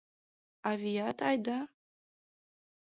Авият айда?..